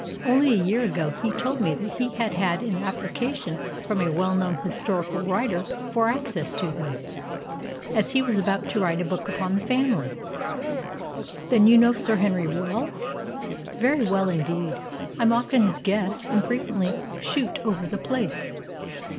Only a year ago he told me that he had had an application from a well known historical writer for access to them, as he was about to write a book upon the family." "Then you know Sir Henry well?" "Very well indeed. I'm often his guest, and frequently shoot over the place."